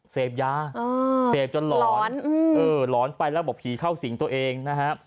เสพยาเสพจนหลอนหลอนไปแล้วบอกผีเข้าสิงตัวเองนะฮะ